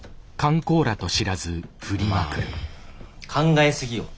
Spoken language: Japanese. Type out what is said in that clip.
まあ考え過ぎよ。